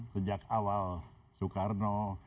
sejak awal soekarno